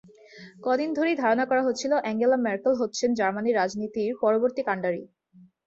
কদিন থেকেই ধারণা করা হচ্ছিল, অ্যাঙ্গেলা মেরকেল হচ্ছেন জার্মান রাজনীতির পরবর্তী কান্ডারি।